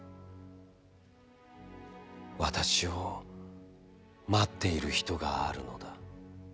私を、待っている人があるのだ。